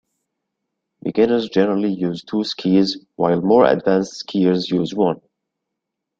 Beginners generally use two skis while more advanced skiers use one.